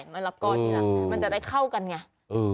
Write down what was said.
มันจะได้เข้ากันไง